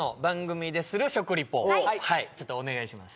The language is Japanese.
はいちょっとお願いします